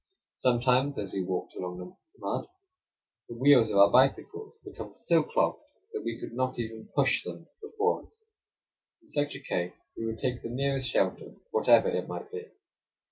Sometimes, as we walked along in the mud, the wheels of our bicycles would become so clogged that we could not even push them before us. In such a case we would take the nearest shelter, whatever it might be.